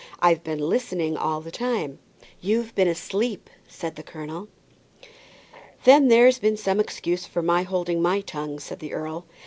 I've been listening all the time." "You've been asleep," said the colonel. "Then there's been some excuse for my holding my tongue," said the earl.